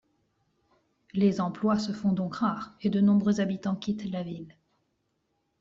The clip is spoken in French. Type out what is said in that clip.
Les emplois se font donc rares et de nombreux habitants quittent la ville.